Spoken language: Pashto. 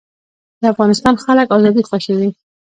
د افغانستان خلک ازادي خوښوي